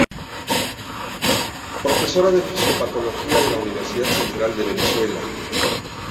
Profesora de Fisiopatología de la Universidad Central de Venezuela.